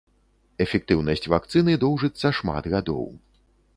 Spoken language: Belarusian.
Эфектыўнасць вакцыны доўжыцца шмат гадоў.